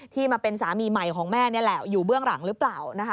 มาเป็นสามีใหม่ของแม่นี่แหละอยู่เบื้องหลังหรือเปล่า